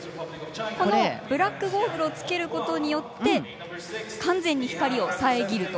ブラックゴーグルを着けることによって完全に光をさえぎると。